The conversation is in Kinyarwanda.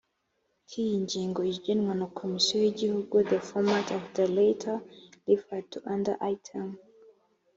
k iyi ngingo igenwa na komisiyo y igihugu the format of the letter referred to under item